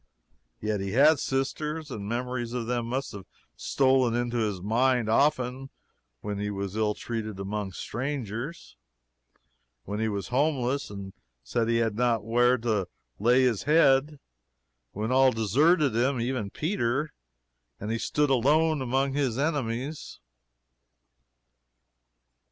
yet he had sisters; and memories of them must have stolen into his mind often when he was ill treated among strangers; when he was homeless and said he had not where to lay his head; when all deserted him, even Peter, and he stood alone among his enemies.